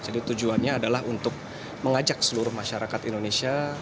jadi tujuannya adalah untuk mengajak seluruh masyarakat indonesia